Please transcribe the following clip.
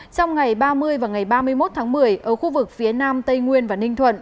trong ngày ba mươi và ngày ba mươi một tháng một mươi ở khu vực phía nam tây nguyên và ninh thuận